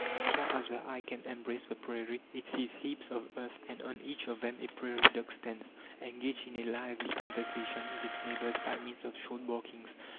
As far as the eye can embrace the prairie, it sees heaps of earth, and on each of them a prairie dog stands, engaged in a lively conversation with its neighbours by means of short barkings.